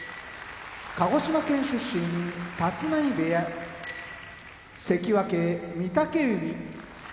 鹿児島県出身立浪部屋関脇・御嶽海